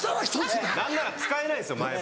何なら使えないです前歯。